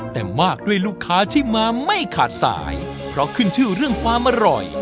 แต่มากด้วยลูกค้าที่มาไม่ขาดสายเพราะขึ้นชื่อเรื่องความอร่อย